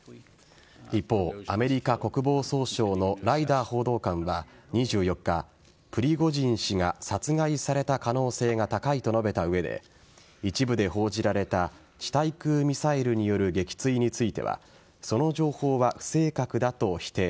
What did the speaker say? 一方、アメリカ国防総省のライダー報道官は２４日プリゴジン氏が殺害された可能性が高いと述べた上で一部で報じられた地対空ミサイルによる撃墜についてはその情報は不正確だと否定。